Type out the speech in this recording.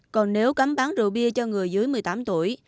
còn nếu cấm bán rượu bia cho người dưới một mươi tám tuổi